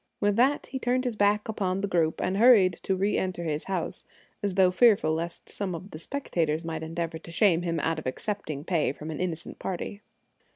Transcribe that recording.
With that he turned his back upon the group and hurried to reenter his house, as though fearful lest some of the spectators might endeavor to shame him out of accepting pay from an innocent party.